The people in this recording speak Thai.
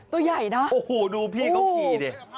ตัวใหญ่นะโอ้โหดูพี่เขาขี่นี่โอ้โห